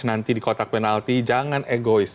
nanti di kotak penalti jangan egois